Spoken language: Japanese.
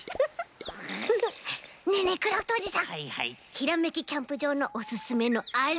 ひらめきキャンプじょうのおすすめのあれ！